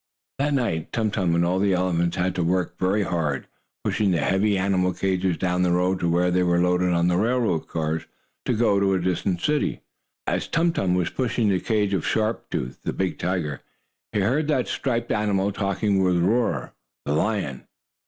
That night Tum Tum, and all the elephants, had to work very hard, pushing the heavy animal cages down the road to where they were loaded on the railroad cars to go to a distant city. As Tum Tum was pushing the cage of Sharp Tooth, the big tiger, he heard that striped animal talking with Roarer, the lion.